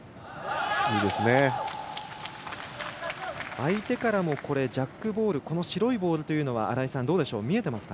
相手からもジャックボール白いボールというのは見えてますか？